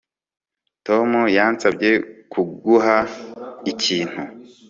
Tom yansabye kuguha ikintu